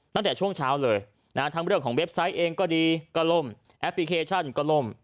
ตั้งแต่ช่วงเช้าเลยนะฮะทั้งเรื่องของเว็บไซต์เองก็ดีก็ล่มแอปพลิเคชันก็ล่ม